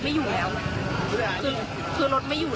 ใช่ค่ะตัวเปลี่ยนทะเบียนรถ